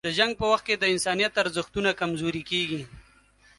د جنګ په وخت کې د انسانیت ارزښتونه کمزوري کېږي.